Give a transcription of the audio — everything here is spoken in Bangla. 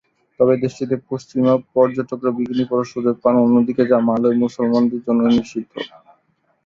তবে দেশটিতে পশ্চিমা পর্যটকরা বিকিনি পরার সুযোগ পান, অন্যদিকে যা মালয় মুসলিমদের জন্য নিষিদ্ধ।